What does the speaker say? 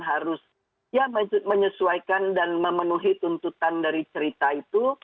harus ya menyesuaikan dan memenuhi tuntutan dari cerita itu